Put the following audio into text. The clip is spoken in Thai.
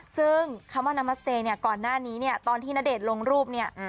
ซึ่งคำว่านามัสเตย์เนี่ยก่อนหน้านี้เนี่ยตอนที่ณเดชน์ลงรูปเนี่ย